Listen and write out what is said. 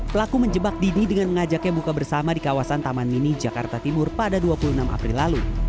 pelaku menjebak didi dengan mengajaknya buka bersama di kawasan taman mini jakarta timur pada dua puluh enam april lalu